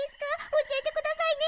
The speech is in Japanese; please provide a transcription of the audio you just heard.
おしえてくださいね。